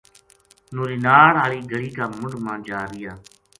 نوری ناڑ ہالی گلی کا مُنڈھ ما جا رہیا